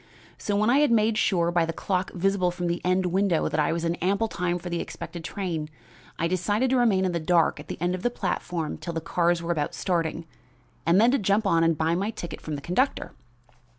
So when I had made sure by the clock visible from the end window that I was in ample time for the expected train, I decided to remain in the dark at the end of the platform till the cars were about starting, and then to jump on and buy my ticket from the conductor.